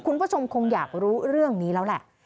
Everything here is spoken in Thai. คุณผู้ชมคงอยากรู้เรื่องนี้แล้วแหละ